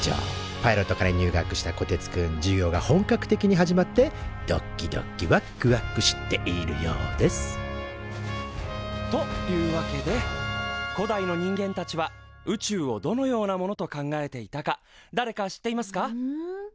パイロット科に入学したこてつくん授業が本格的に始まってどっきどきわっくわくしているようですというわけで古代の人間たちは宇宙をどのようなものと考えていたかだれか知っていますか？